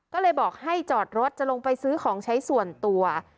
ก็เลยบอกให้จอดรถจะลงไปซื้อของใช้ส่วนตัว